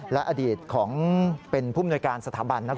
และอดีตเป็นผู้มนวยการสถาบันนะครับ